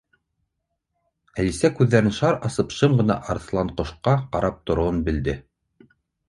Әлисә күҙҙәрен шар асып, шым ғына Арыҫланҡошҡа ҡарап тороуын белде.